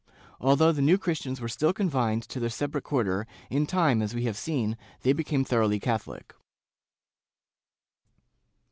* Although the New Christians were still confined to their separate quarter, in time, as we have seen, they became thoroughly Cathohc.